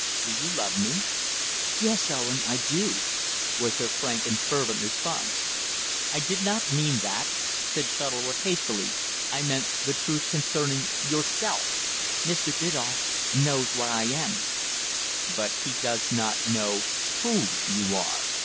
Do you love me?" "Yes, Owen, I do," was her frank and fervent response. "I did not mean that," said Shuttleworth hastily. "I meant the truth concerning yourself." "Mr. Biddulph knows what I am." "But he does not know who you are."